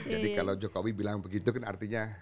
jadi kalau jokowi bilang begitu kan artinya